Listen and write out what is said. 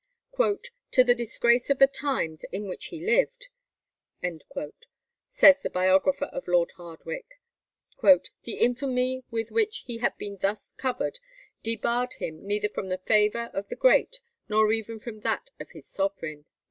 "To the disgrace of the times in which he lived," says the biographer of Lord Hardwicke, "the infamy with which he had been thus covered debarred him neither from the favour of the great nor even from that of his sovereign."